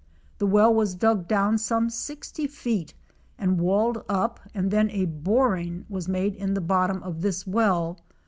The well was dug down some 60 feet and walled up and then a boring was made in the bottom of this well.